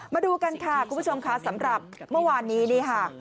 มาดูกันค่ะคุณผู้ชมค่ะสำหรับเมื่อวานนี้นี่ค่ะ